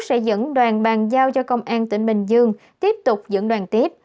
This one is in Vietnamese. sẽ dẫn đoàn bàn giao cho công an tỉnh bình dương tiếp tục dẫn đoàn tiếp